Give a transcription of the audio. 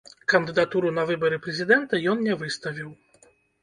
Кандыдатуру на выбары прэзідэнта ён не выставіў.